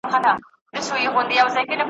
چي له بازه به ورک لوری د یرغل سو ,